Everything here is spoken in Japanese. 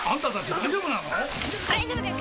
大丈夫です